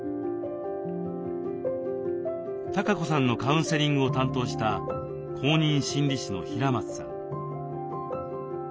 たかこさんのカウンセリングを担当した公認心理師の平松さん。